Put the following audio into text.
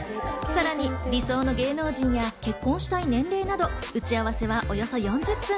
さらに、理想の芸能人や結婚したい年齢など打ち合わせはおよそ４０分。